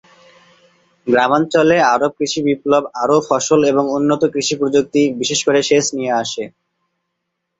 গ্রামাঞ্চলে আরব কৃষি বিপ্লব আরও ফসল এবং উন্নত কৃষি প্রযুক্তি, বিশেষ করে সেচ নিয়ে আসে।